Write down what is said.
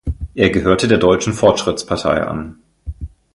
Er gehörte der Deutschen Fortschrittspartei an.